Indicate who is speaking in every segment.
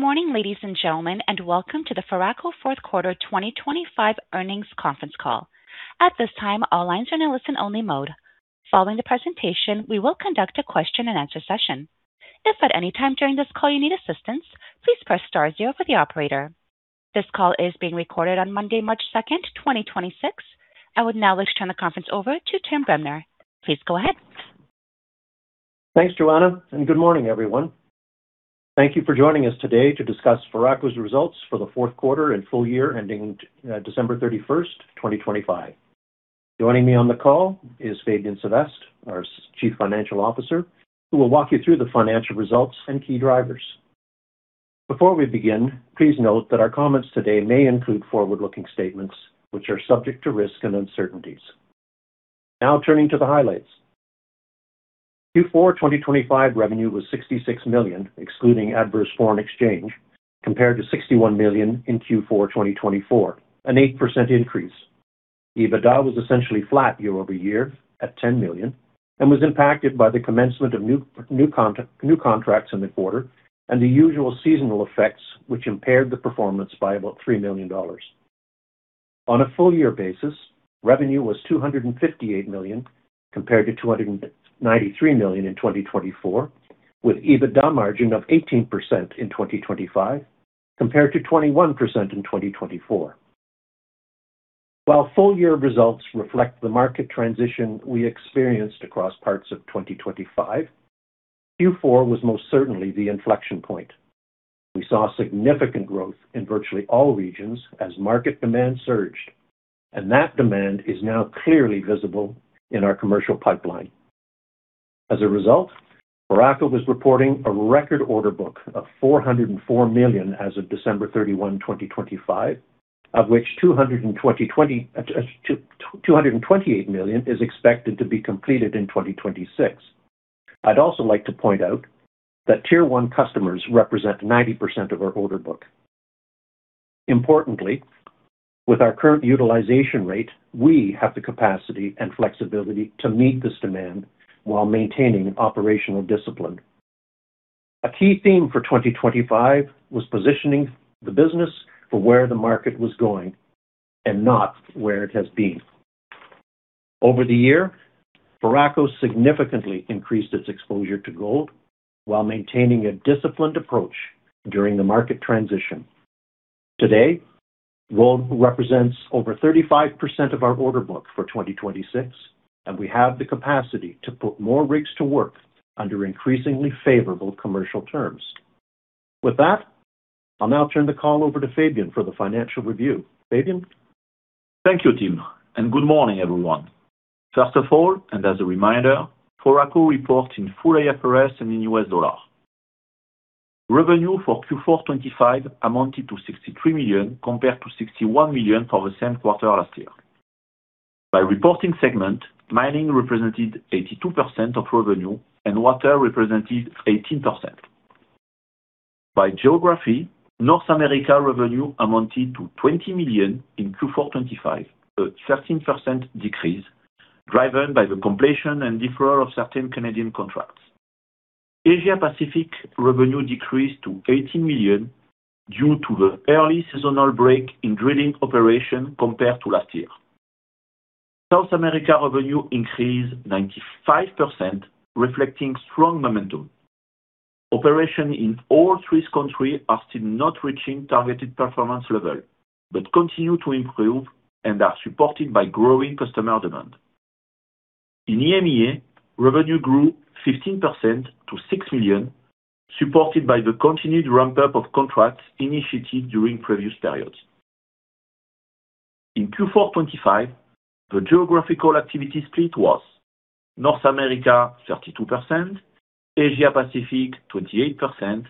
Speaker 1: Morning, ladies and gentlemen, welcome to the Foraco Fourth Quarter 2025 Earnings Conference Call. At this time, all lines are in a listen-only mode. Following the presentation, we will conduct a question-and-answer session. If at any time during this call you need assistance, please press star 0 for the operator. This call is being recorded on Monday, March 2, 2026. I would now like to turn the conference over to Tim Bremner. Please go ahead.
Speaker 2: Thanks, Joanna. Good morning, everyone. Thank you for joining us today to discuss Foraco's results for the fourth quarter and full year ending December 31, 2025. Joining me on the call is Fabien Sevestre, our chief financial officer, who will walk you through the financial results and key drivers. Before we begin, please note that our comments today may include forward-looking statements which are subject to risk and uncertainties. Turning to the highlights. Q4 2025 revenue was $66 million, excluding adverse foreign exchange, compared to $61 million in Q4 2024, an 8% increase. EBITDA was essentially flat year-over-year at $10 million and was impacted by the commencement of new contracts in the quarter and the usual seasonal effects, which impaired the performance by about $3 million. On a full year basis, revenue was $258 million, compared to $293 million in 2024, with EBITDA margin of 18% in 2025, compared to 21% in 2024. While full year results reflect the market transition we experienced across parts of 2025, Q4 was most certainly the inflection point. We saw significant growth in virtually all regions as market demand surged, and that demand is now clearly visible in our commercial pipeline. As a result, Foraco is reporting a record order book of $404 million as of December 31, 2025, of which $228 million is expected to be completed in 2026. I'd also like to point out that tier one customers represent 90% of our order book. Importantly, with our current utilization rate, we have the capacity and flexibility to meet this demand while maintaining operational discipline. A key theme for 2025 was positioning the business for where the market was going and not where it has been. Over the year, Foraco significantly increased its exposure to gold while maintaining a disciplined approach during the market transition. Today, gold represents over 35% of our order book for 2026. We have the capacity to put more rigs to work under increasingly favorable commercial terms. With that, I'll now turn the call over to Fabien for the financial review. Fabien?
Speaker 3: Thank you, Tim. Good morning, everyone. First of all, as a reminder, Foraco reports in full IFRS and in US dollar. Revenue for Q4 2025 amounted to $63 million compared to $61 million for the same quarter last year. By reporting segment, mining represented 82% of revenue and water represented 18%. By geography, North America revenue amounted to $20 million in Q4 2025, a 13% decrease driven by the completion and deferral of certain Canadian contracts. Asia Pacific revenue decreased to $18 million due to the early seasonal break in drilling operation compared to last year. South America revenue increased 95%, reflecting strong momentum. Operations in all three countries are still not reaching targeted performance level, continue to improve and are supported by growing customer demand. In EMEA, revenue grew 15% to $6 million, supported by the continued ramp-up of contracts initiated during previous periods. In Q4 2025, the geographical activity split was North America 32%, Asia Pacific 28%,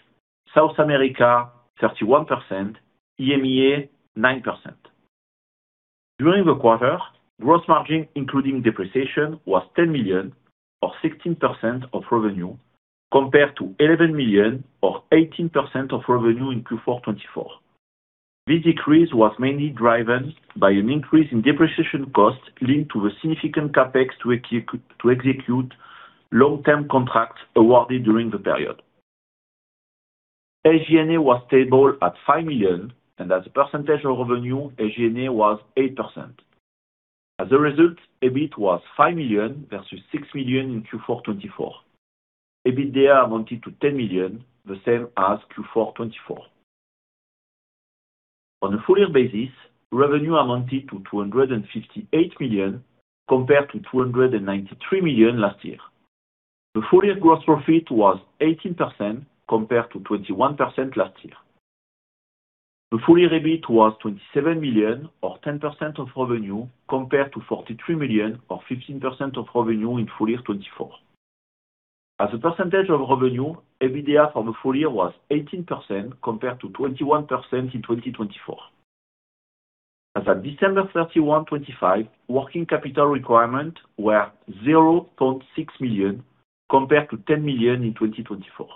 Speaker 3: South America 31%, EMEA 9%. During the quarter, gross margin including depreciation was $10 million or 16% of revenue, compared to $11 million or 18% of revenue in Q4 2024. This decrease was mainly driven by an increase in depreciation costs linked to the significant CapEx to execute long-term contracts awarded during the period. SG&A was stable at $5 million, and as a percentage of revenue, SG&A was 8%. As a result, EBIT was $5 million versus $6 million in Q4 2024. EBITDA amounted to $10 million, the same as Q4 2024. On a full year basis, revenue amounted to $258 million compared to $293 million last year. The full year gross profit was 18% compared to 21% last year. The full year EBIT was $27 million or 10% of revenue compared to $43 million or 15% of revenue in full year 2024. As a percentage of revenue, EBITDA for the full year was 18% compared to 21% in 2024. As at December 31, 2025, working capital requirement were $0.6 million compared to $10 million in 2024.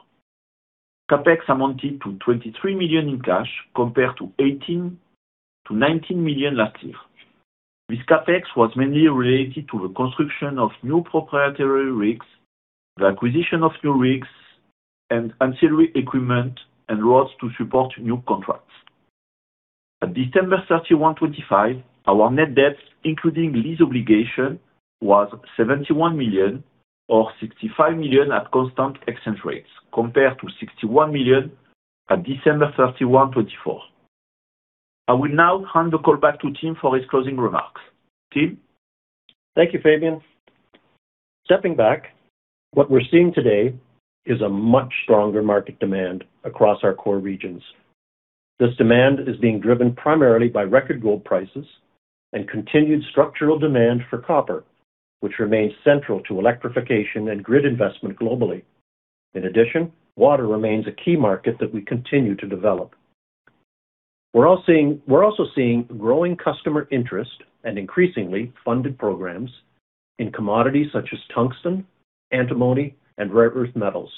Speaker 3: CapEx amounted to $23 million in cash compared to $18 million-$19 million last year. This CapEx was mainly related to the construction of new proprietary rigs, the acquisition of new rigs and ancillary equipment, and roads to support new contracts. At December 31, 2025, our net debt, including lease obligation, was $71 million or $65 million at constant exchange rates compared to $61 million at December 31, 2024. I will now hand the call back to Tim for his closing remarks. Tim?
Speaker 2: Thank you, Fabien. Stepping back, what we're seeing today is a much stronger market demand across our core regions. This demand is being driven primarily by record gold prices and continued structural demand for copper, which remains central to electrification and grid investment globally. Water remains a key market that we continue to develop. We're also seeing growing customer interest and increasingly funded programs in commodities such as tungsten, antimony and rare earth metals.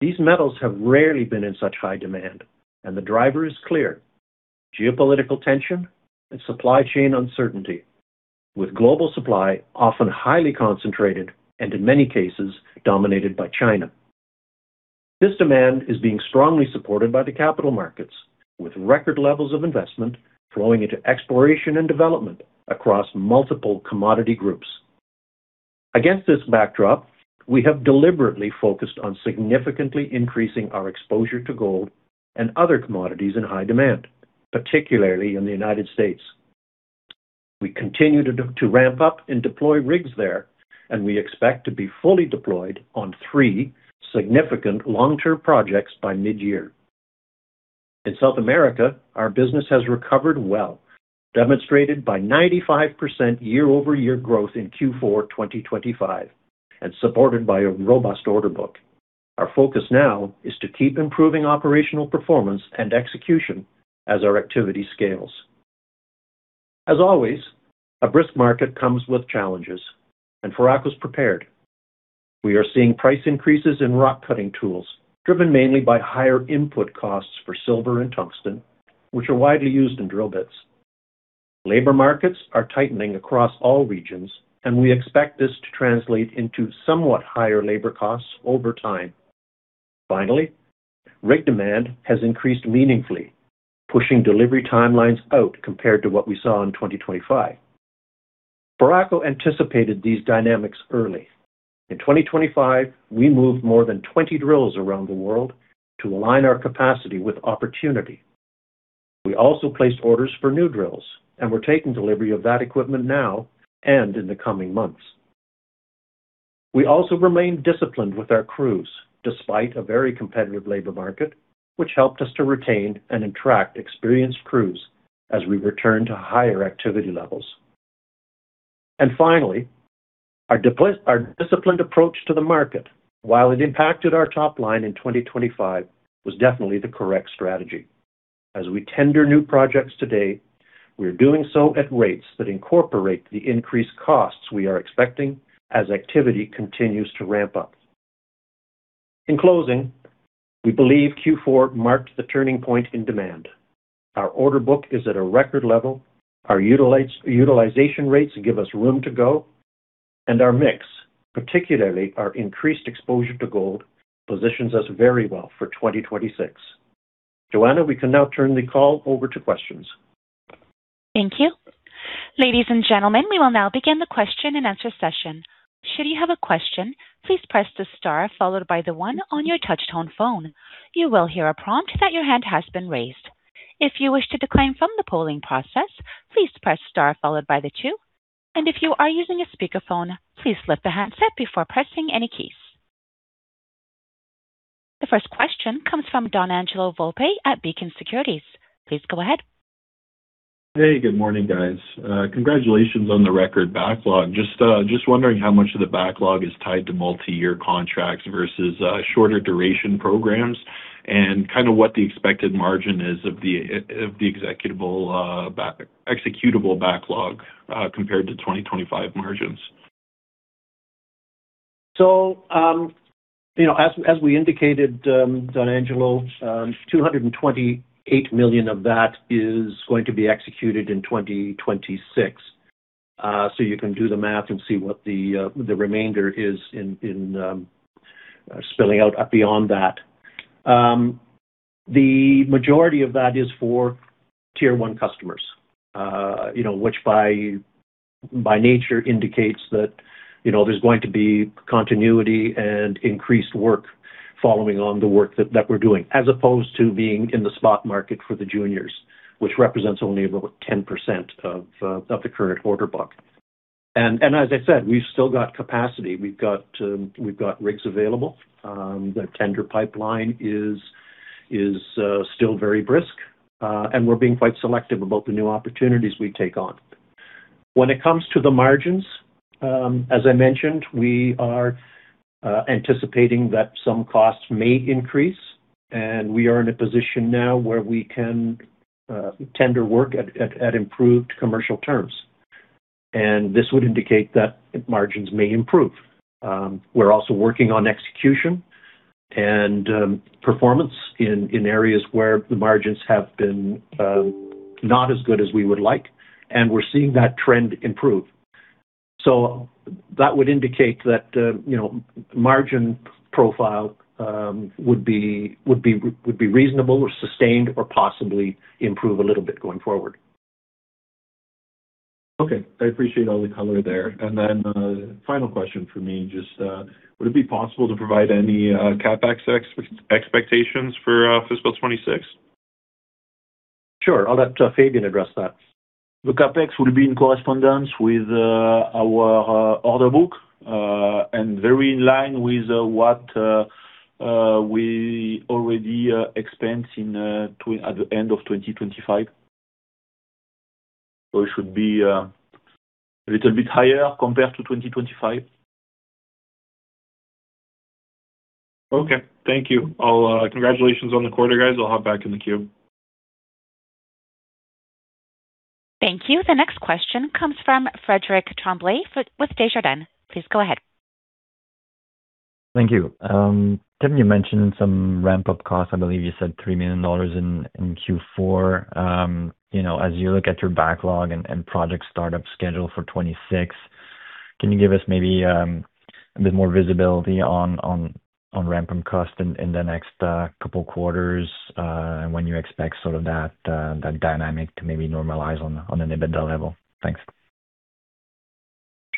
Speaker 2: These metals have rarely been in such high demand, and the driver is clear: geopolitical tension and supply chain uncertainty, with global supply often highly concentrated and in many cases dominated by China. This demand is being strongly supported by the capital markets, with record levels of investment flowing into exploration and development across multiple commodity groups. Against this backdrop, we have deliberately focused on significantly increasing our exposure to gold and other commodities in high demand, particularly in the United States. We continue to ramp up and deploy rigs there. We expect to be fully deployed on three significant long-term projects by mid-year. In South America, our business has recovered well, demonstrated by 95% year-over-year growth in Q4 2025 and supported by a robust order book. Our focus now is to keep improving operational performance and execution as our activity scales. As always, a brisk market comes with challenges. Foraco is prepared. We are seeing price increases in rock cutting tools driven mainly by higher input costs for silver and tungsten, which are widely used in drill bits. Labor markets are tightening across all regions. We expect this to translate into somewhat higher labor costs over time. Rig demand has increased meaningfully, pushing delivery timelines out compared to what we saw in 2025. Foraco anticipated these dynamics early. In 2025, we moved more than 20 drills around the world to align our capacity with opportunity. We also placed orders for new drills, and we're taking delivery of that equipment now and in the coming months. We also remain disciplined with our crews despite a very competitive labor market, which helped us to retain and attract experienced crews as we return to higher activity levels. Finally, our disciplined approach to the market, while it impacted our top line in 2025, was definitely the correct strategy. As we tender new projects today, we are doing so at rates that incorporate the increased costs we are expecting as activity continues to ramp up. In closing, we believe Q4 marked the turning point in demand. Our order book is at a record level. Our utilization rates give us room to go. Our mix, particularly our increased exposure to gold, positions us very well for 2026. Joanna, we can now turn the call over to questions.
Speaker 1: Thank you. Ladies and gentlemen, we will now begin the question-and-answer session. Should you have a question, please press the star followed by the 1 on your touchtone phone. You will hear a prompt that your hand has been raised. If you wish to decline from the polling process, please press star followed by the 2. If you are using a speakerphone, please lift the handset before pressing any keys. The 1st question comes from Donangelo Volpe at Beacon Securities. Please go ahead.
Speaker 4: Hey, good morning, guys. Congratulations on the record backlog. Just wondering how much of the backlog is tied to multi-year contracts versus shorter duration programs and kind of what the expected margin is of the executable backlog compared to 2025 margins?
Speaker 2: you know, as we indicated, Donangelo Volpe, $228 million of that is going to be executed in 2026. you can do the math and see what the remainder is in, spelling out beyond that. The majority of that is for tier one customers. you know, which by nature indicates that, you know, there's going to be continuity and increased work following on the work that we're doing, as opposed to being in the spot market for the juniors, which represents only about 10% of the current order book. as I said, we've still got capacity. We've got rigs available. The tender pipeline is still very brisk. we're being quite selective about the new opportunities we take on. When it comes to the margins, as I mentioned, we are anticipating that some costs may increase, and we are in a position now where we can tender work at improved commercial terms. This would indicate that margins may improve. We're also working on execution and performance in areas where the margins have been not as good as we would like, and we're seeing that trend improve. That would indicate that, you know, margin profile would be reasonable or sustained or possibly improve a little bit going forward.
Speaker 4: Okay. I appreciate all the color there. Final question for me, just, would it be possible to provide any CapEx expectations for fiscal 26?
Speaker 2: Sure. I'll let Fabien address that.
Speaker 3: The CapEx will be in correspondence with our order book and very in line with what we already expensed in at the end of 2025. It should be a little bit higher compared to 2025.
Speaker 4: Okay. Thank you. Congratulations on the quarter, guys. I'll hop back in the queue.
Speaker 1: Thank you. The next question comes from Frédéric Tremblay with Desjardins. Please go ahead.
Speaker 5: Thank you. Tim, you mentioned some ramp-up costs. I believe you said $3 million in Q4. You know, as you look at your backlog and project startup schedule for 2026, can you give us maybe a bit more visibility on ramp-up cost in the next couple quarters, and when you expect sort of that dynamic to maybe normalize on an EBITDA level? Thanks.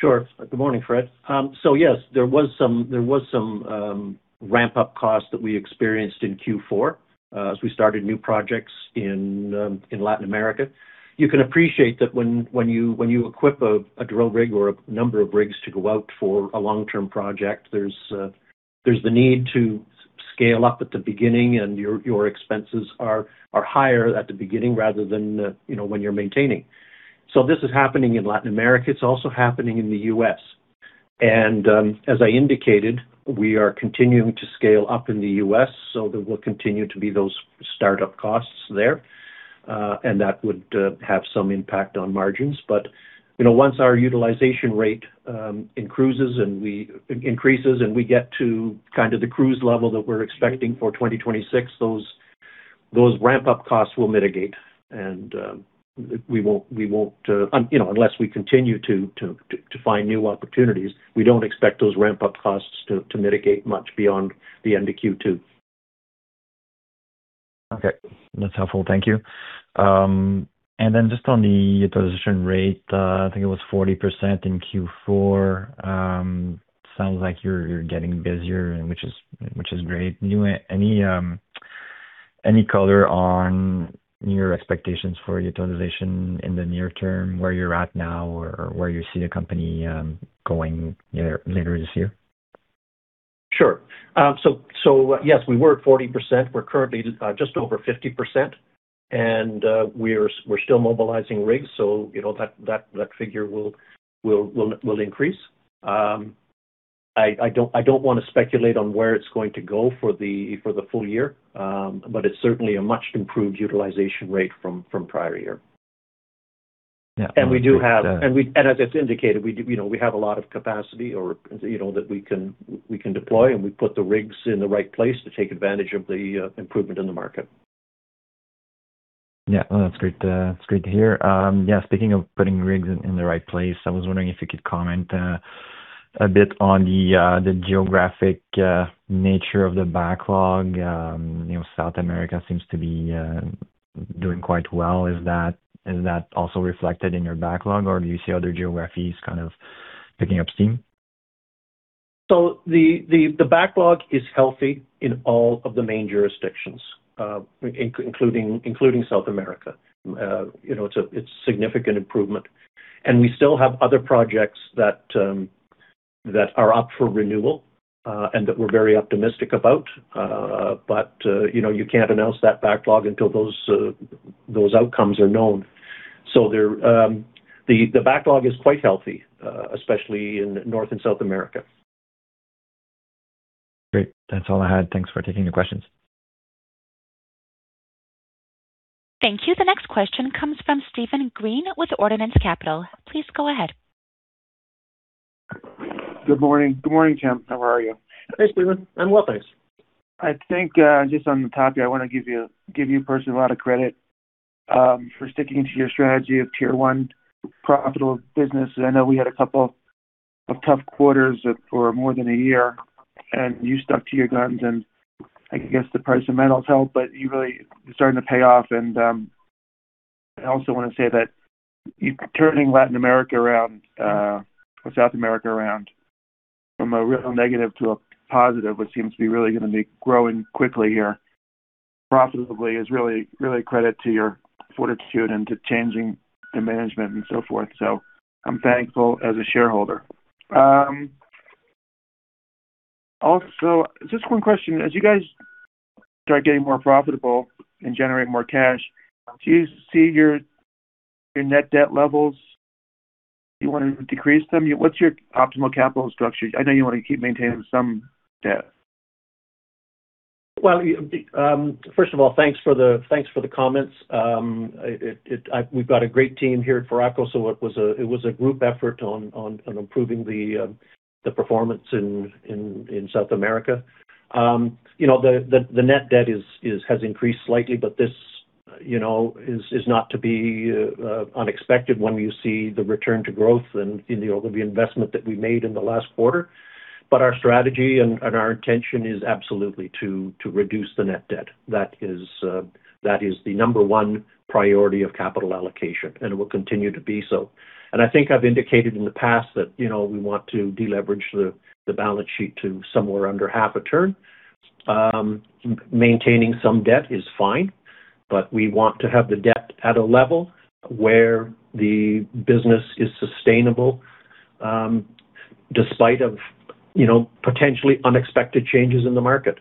Speaker 2: Sure. Good morning, Fred. Yes, there was some ramp-up costs that we experienced in Q4 as we started new projects in Latin America. You can appreciate that when you equip a drill rig or a number of rigs to go out for a long-term project, there's the need to scale up at the beginning and your expenses are higher at the beginning rather than, you know, when you're maintaining. This is happening in Latin America. It's also happening in the U.S. As I indicated, we are continuing to scale up in the U.S., there will continue to be those startup costs there, and that would have some impact on margins. You know, once our utilization rate increases, and we get to kind of the cruise level that we're expecting for 2026, those ramp-up costs will mitigate. We won't, you know, unless we continue to find new opportunities, we don't expect those ramp-up costs to mitigate much beyond the end of Q2.
Speaker 5: Okay. That's helpful. Thank you. Just on the utilization rate, I think it was 40% in Q4. Sounds like you're getting busier and which is, which is great. Any color on your expectations for utilization in the near term, where you're at now or where you see the company, going near-later this year?
Speaker 2: Sure. Yes, we were at 40%. We're currently just over 50%. We're still mobilizing rigs, so you know, that figure will increase. I don't wanna speculate on where it's going to go for the full year, but it's certainly a much improved utilization rate from prior year.
Speaker 5: Yeah.
Speaker 2: As it's indicated, we do, you know, we have a lot of capacity or, you know, that we can deploy, and we put the rigs in the right place to take advantage of the improvement in the market.
Speaker 5: No, that's great. It's great to hear. Speaking of putting rigs in the right place, I was wondering if you could comment a bit on the geographic nature of the backlog. You know, South America seems to be doing quite well. Is that also reflected in your backlog, or do you see other geographies kind of picking up steam?
Speaker 2: The backlog is healthy in all of the main jurisdictions, including South America. You know, it's a significant improvement. We still have other projects that are up for renewal and that we're very optimistic about. But, you know, you can't announce that backlog until those outcomes are known. There, the backlog is quite healthy, especially in North and South America.
Speaker 5: Great. That's all I had. Thanks for taking the questions.
Speaker 1: Thank you. The next question comes from Steven Green with Ordinance Capital. Please go ahead.
Speaker 6: Good morning. Good morning, Tim. How are you?
Speaker 2: Hey, Steven. I'm well, thanks.
Speaker 6: I think, just on the topic, I wanna give you, give you personally a lot of credit, for sticking to your strategy of tier one profitable business. I know we had a couple of tough quarters for more than a year. You stuck to your guns. I guess the price of metals helped, but you really it's starting to pay off. I also wanna say that you turning Latin America around, or South America around from a real negative to a positive, which seems to be really gonna be growing quickly here profitably is really, really a credit to your fortitude and to changing the management and so forth. I'm thankful as a shareholder. Also, just one question. As you guys start getting more profitable and generate more cash, do you see your net debt levels, do you wanna decrease them? What's your optimal capital structure? I know you wanna keep maintaining some debt.
Speaker 2: First of all, thanks for the comments. We've got a great team here at Foraco, so it was a group effort on improving the performance in South America. You know, the net debt has increased slightly, but this, you know, is not to be unexpected when you see the return to growth or the investment that we made in the last quarter. Our strategy and our intention is absolutely to reduce the net debt. That is the number one priority of capital allocation, it will continue to be so. I think I've indicated in the past that, you know, we want to deleverage the balance sheet to somewhere under half a turn. Maintaining some debt is fine, but we want to have the debt at a level where the business is sustainable, despite of, you know, potentially unexpected changes in the market.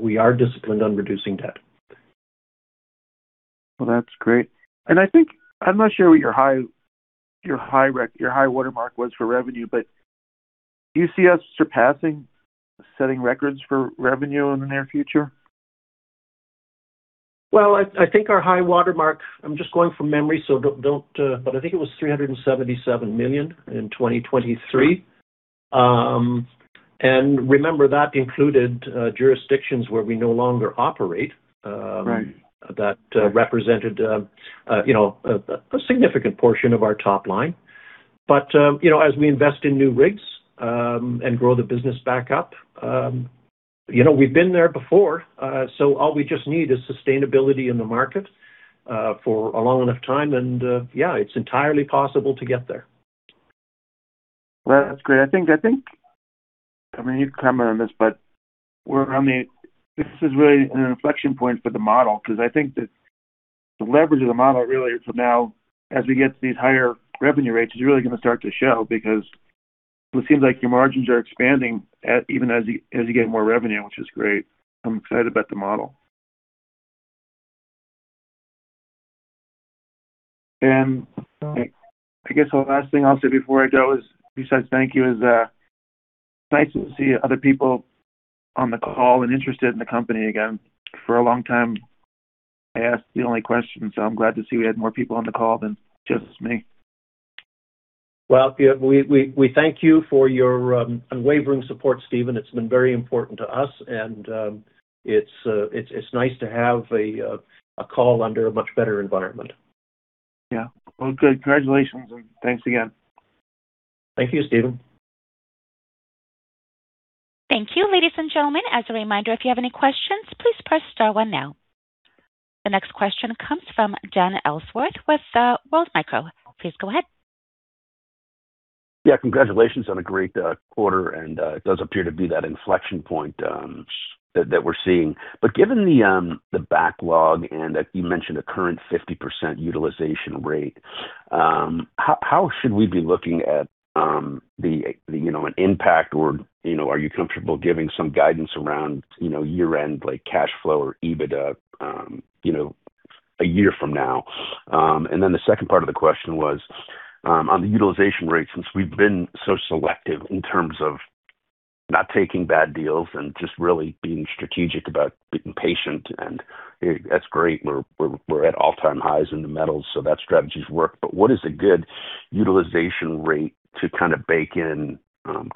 Speaker 2: We are disciplined on reducing debt.
Speaker 6: Well, that's great. I'm not sure what your high water mark was for revenue, but do you see us surpassing setting records for revenue in the near future?
Speaker 2: Well, I think our high water mark, I'm just going from memory, so don't. I think it was $377 million in 2023. Remember that included jurisdictions where we no longer operate.
Speaker 6: Right.
Speaker 2: That represented, you know, a significant portion of our top line. You know, as we invest in new rigs, and grow the business back up, you know, we've been there before. All we just need is sustainability in the market, for a long enough time. Yeah, it's entirely possible to get there.
Speaker 6: Well, that's great. I think, I mean, you can comment on this is really an inflection point for the model, cause I think that the leverage of the model really for now, as we get to these higher revenue rates, is really gonna start to show because it seems like your margins are expanding even as you get more revenue, which is great. I'm excited about the model. I guess the last thing I'll say before I go is besides thank you is it's nice to see other people on the call and interested in the company again. For a long time, I asked the only question. I'm glad to see we had more people on the call than just me.
Speaker 2: Yeah, we thank you for your unwavering support, Steven. It's been very important to us and it's nice to have a call under a much better environment.
Speaker 6: Yeah. Well, good. Congratulations, and thanks again.
Speaker 2: Thank you, Steven.
Speaker 1: Thank you, ladies and gentlemen. As a reminder, if you have any questions, please press star one now. The next question comes from Dan Ellsworth with World Micro. Please go ahead.
Speaker 7: Yeah. Congratulations on a great quarter and it does appear to be that inflection point that we're seeing. Given the backlog and that you mentioned a current 50% utilization rate, how should we be looking at the, you know, an impact or, you know, are you comfortable giving some guidance around, you know, year-end like cash flow or EBITDA, a year from now? The second part of the question was on the utilization rate, since we've been so selective in terms of not taking bad deals and just really being strategic about being patient, and that's great. We're at all-time highs in the metals, so that strategy's worked. What is a good utilization rate to kind of bake in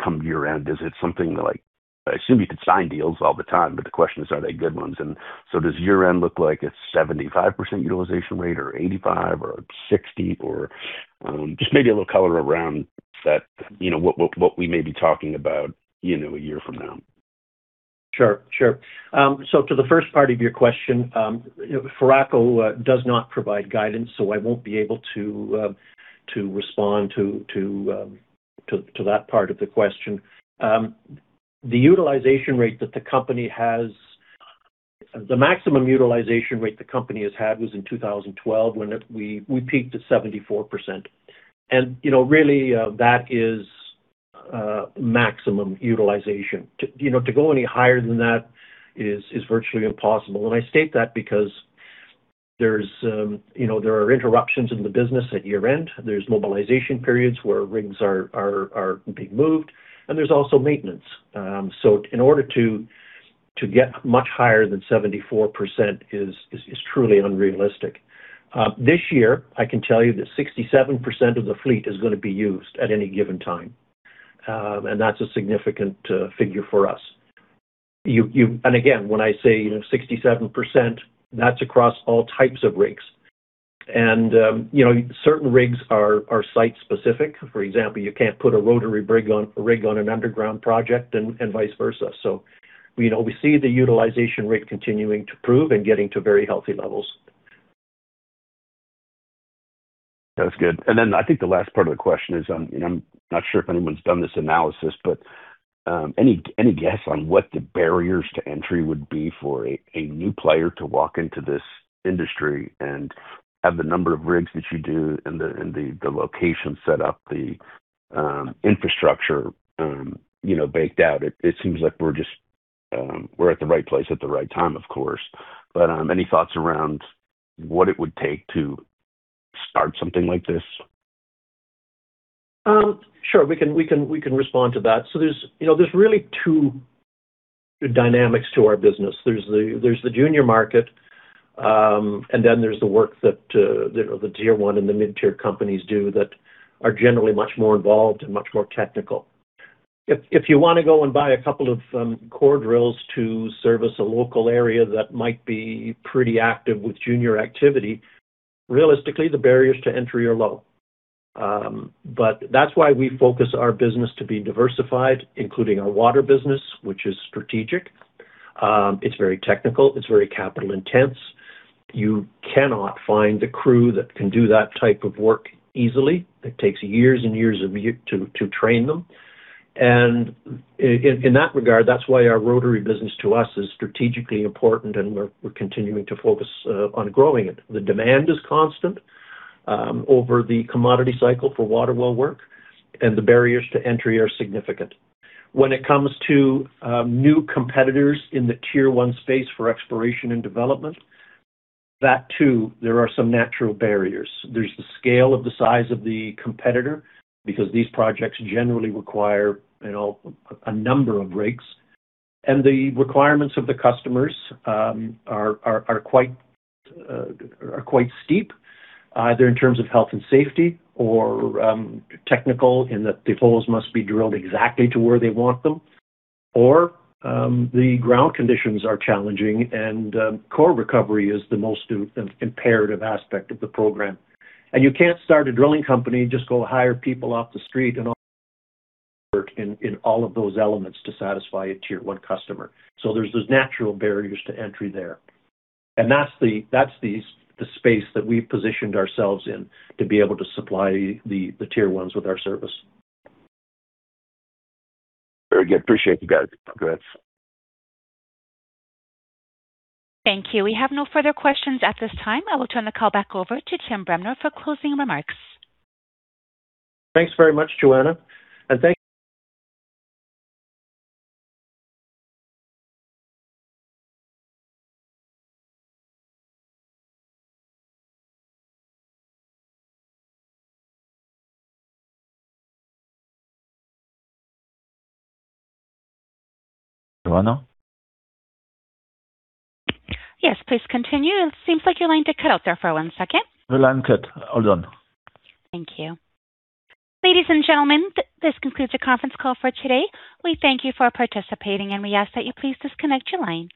Speaker 7: come year-end? Is it something like... I assume you could sign deals all the time, but the question is, are they good ones? Does year-end look like a 75% utilization rate or 85% or 60% or just maybe a little color around that, you know, what we may be talking about, you know, a year from now?
Speaker 2: Sure. Sure. To the first part of your question, Foraco does not provide guidance, I won't be able to respond to that part of the question. The maximum utilization rate the company has had was in 2012, when we peaked at 74%. You know, really, that is maximum utilization. To go any higher than that is virtually impossible. I state that because there's, you know, there are interruptions in the business at year-end. There's mobilization periods where rigs are being moved, and there's also maintenance. In order to get much higher than 74% is truly unrealistic. This year, I can tell you that 67% of the fleet is gonna be used at any given time, and that's a significant figure for us. You again, when I say, you know, 67%, that's across all types of rigs. You know, certain rigs are site specific. For example, you can't put a rotary rig on an underground project and vice versa. You know, we see the utilization rate continuing to improve and getting to very healthy levels.
Speaker 7: That's good. I think the last part of the question is, I'm not sure if anyone's done this analysis, any guess on what the barriers to entry would be for a new player to walk into this industry and have the number of rigs that you do and the, and the location set up, the infrastructure, you know, baked out? It, it seems like we're just, we're at the right place at the right time, of course. Any thoughts around what it would take to start something like this?
Speaker 2: Sure. We can respond to that. There's, you know, there's really two dynamics to our business. There's the junior market, and then there's the work that the tier one and the mid-tier companies do that are generally much more involved and much more technical. If you wanna go and buy a couple of core drills to service a local area that might be pretty active with junior activity, realistically, the barriers to entry are low. That's why we focus our business to be diversified, including our water business, which is strategic. It's very technical. It's very capital intense. You cannot find a crew that can do that type of work easily. It takes years and years to train them. In that regard, that's why our rotary business to us is strategically important, and we're continuing to focus on growing it. The demand is constant over the commodity cycle for water well work, and the barriers to entry are significant. When it comes to new competitors in the tier one space for exploration and development, that too, there are some natural barriers. There's the scale of the size of the competitor because these projects generally require, you know, a number of rigs. The requirements of the customers are quite steep, either in terms of health and safety or technical in that the holes must be drilled exactly to where they want them, or the ground conditions are challenging. Core recovery is the most imperative aspect of the program. You can't start a drilling company, just go hire people off the street and in all of those elements to satisfy a tier one customer. There's those natural barriers to entry there. That's the space that we've positioned ourselves in to be able to supply the tier ones with our service.
Speaker 7: Very good. Appreciate you guys. Congrats.
Speaker 1: Thank you. We have no further questions at this time. I will turn the call back over to Tim Bremner for closing remarks.
Speaker 2: Thanks very much, Joanna. Joanna?
Speaker 1: Yes, please continue. It seems like your line did cut out there for one second.
Speaker 2: The line cut. All done.
Speaker 1: Thank you. Ladies and gentlemen, this concludes the conference call for today. We thank you for participating. We ask that you please disconnect your line.